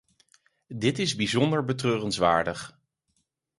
Dit is bijzonder betreurenswaardig.